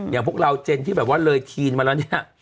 อย่างพวกเราเจนที่แบบว่าเลยทีนมาแล้วเนี่ย